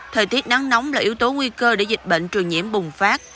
thời tiết nắng nóng là yếu tố nguy cơ để dịch bệnh truyền nhiễm bùng phát